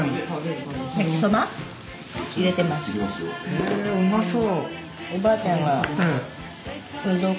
へえうまそう。